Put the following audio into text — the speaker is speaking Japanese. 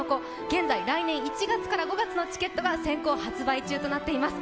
現在来年１月から５月のチケットが先行発売中となっております。